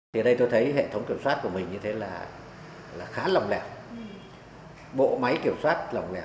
thì ở đây tôi thấy hệ thống kiểm soát của mình như thế là khá lòng lẻ bộ máy kiểm soát lòng lẻo